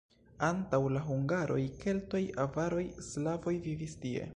Antaŭ la hungaroj keltoj, avaroj, slavoj vivis tie.